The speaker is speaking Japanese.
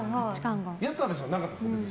谷田部さんはなかったですか？